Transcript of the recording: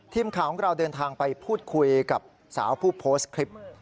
ทีมข่าวของเราเดินทางไปพูดคุยกับสาวผู้โพสต์คลิป